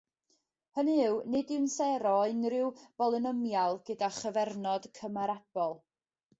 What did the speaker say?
Hynny yw, nid yw'n sero o unrhyw bolynomial gyda chyfernod cymarebol.